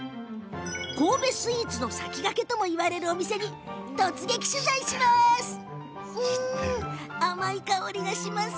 神戸スイーツの先駆けともいわれるお店に突撃取材します。